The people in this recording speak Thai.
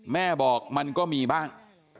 แม่บอกมันก็มีบ้าง